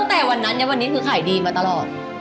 แต่วันนั้นจะวันนี้ก็ขายดีมาตลอด